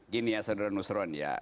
gini ya saudara nusron ya